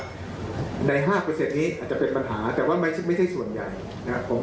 ใน๕นี้อาจจะเป็นปัญหาแต่ว่าไม่ใช่ส่วนใหญ่นะครับผม